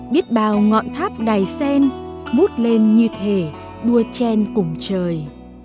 biết bao ngọn tháp đài sen vút lên như thể đua chen cùng trời